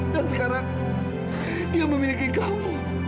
dan sekarang dia memiliki kamu